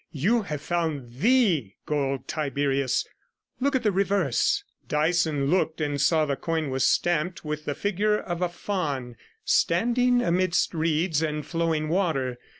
You have found the gold Tiberius. Look at the reverse.' Dyson looked and saw the coin was stamped with the figure of a faun standing amidst reeds and flowing water.